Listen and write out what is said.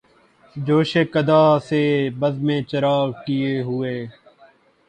جوشِ قدح سے بزمِ چراغاں کئے ہوئے